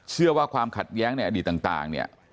เชื่อว่าความขัดแย้งในอดีตต่างเนี่ย